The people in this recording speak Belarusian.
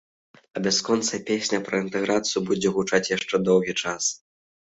А бясконцая песня пра інтэграцыю будзе гучаць яшчэ доўгі час.